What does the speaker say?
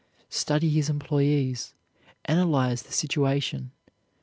Study his employees; analyze the situation.